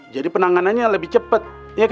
jadi penanganannya lebih cepet